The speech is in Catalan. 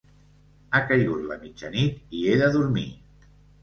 Ha caigut la mitjanit i he de dormir.